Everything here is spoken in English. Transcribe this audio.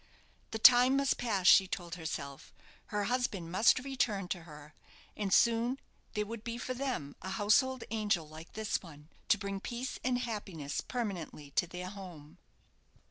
The time must pass, she told herself, her husband must return to her, and soon there would be for them a household angel like this one, to bring peace and happiness permanently to their home.